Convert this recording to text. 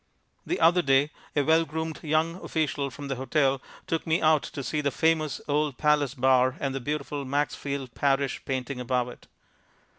The other day a well groomed young official from the hotel took me out to see the famous old Palace bar and the beautiful Maxfield Parrish painting above it.